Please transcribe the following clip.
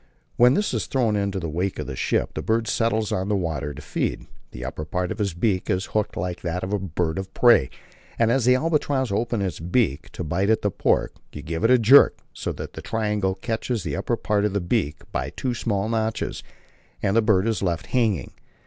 When this is thrown in the wake of the ship, the bird settles on the water to feed. The upper part of its beak is hooked like that of a bird of prey, and as the albatross opens its beak and bites at the pork, you give a jerk, so that the triangle catches the upper part of the beak by two small notches, and the bird is left hanging.